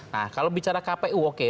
nah kalau bicara kpu oke